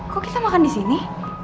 kok kita makan disini